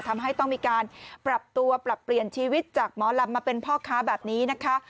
ทำให้ต้องมีการปรับตัวปรับเปลี่ยนชีวิตจากหมอลำมาเป็นพ่อค้าแบบนี้นะคะ